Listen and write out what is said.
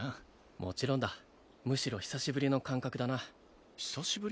もちろんだむしろ久しぶりの感覚だな久しぶり？